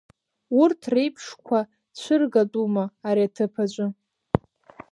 Урҭ реиԥшқуа цәыргатәума, ари аҭыԥ аҿы.